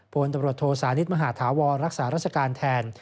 พลตำรวจโทสานิทมหาธาวรรักษาราชการแทน